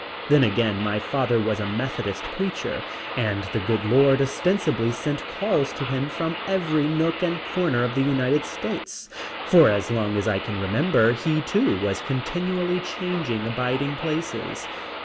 Then again my father was a Methodist preacher and the good Lord ostensibly sent calls to him from every nook and corner of the United States, for as long as I can remember he too was continually changing abiding places.